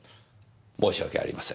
申し訳ありません。